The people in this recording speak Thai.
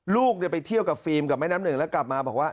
ลูกไปเที่ยวกับฟิล์มกับแม่น้ำหนึ่งแล้วกลับมาบอกว่า